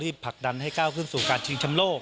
ผลักดันให้ก้าวขึ้นสู่การชิงชำโลก